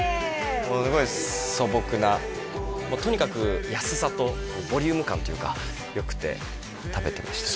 もう素朴なもうとにかく安さとボリューム感というかよくて食べてましたね